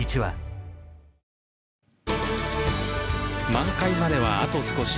満開まではあと少し。